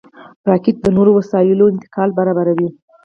راکټ د نورو وسایلو انتقال برابروي